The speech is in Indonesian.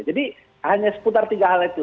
jadi hanya seputar tiga hal itu